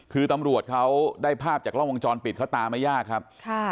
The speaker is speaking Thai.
คือตำรวจเขาได้ภาพจากกล้องวงจรปิดเขาตามไม่ยากครับ